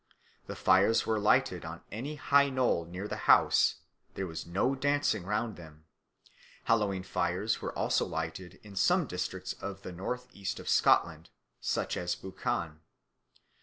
The fires were lighted on any high knoll near the house; there was no dancing round them. Hallowe'en fires were also lighted in some districts of the north east of Scotland, such as Buchan.